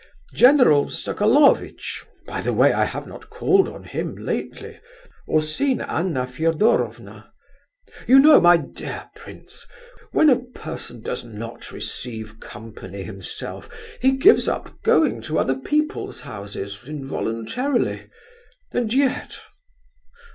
General Sokolovitch (by the way, I have not called on him lately, or seen Anna Fedorovna)... You know, my dear prince, when a person does not receive company himself, he gives up going to other people's houses involuntarily. And yet...